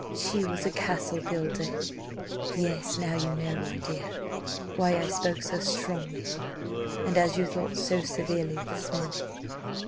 "She was a castle builder yes, now you know, my dear, why I spoke so strongly, and, as you thought, so severely this morning.